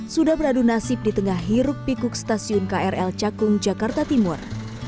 sudah beradu nasib di tengah hiruk pikuk stasiun krl cakung jakarta timur